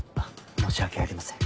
申し訳ありません。